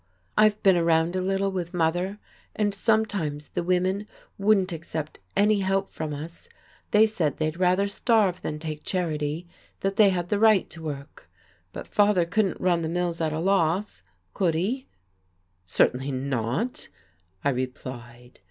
I've been around a little with mother and sometimes the women wouldn't accept any help from us; they said they'd rather starve than take charity, that they had the right to work. But father couldn't run the mills at a loss could he?" "Certainly not," I replied.